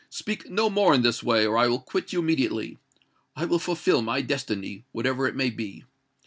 Speak no more in this way—or I will quit you immediately. I will fulfil my destiny—whatever it may be.